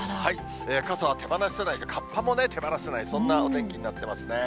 傘は手放せない、かっぱも手放せない、そんなお天気になっていますね。